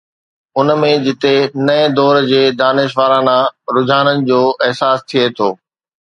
ان ۾ جتي نئين دور جي دانشورانه رجحانن جو احساس ٿئي ٿو.